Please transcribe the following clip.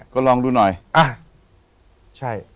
ก็ลองดูหน่อยอ่ะใช่